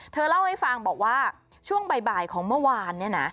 เธอเล่าให้ฟังบอกว่าช่วงบ่ายของเมื่อวานเนี่ยนะ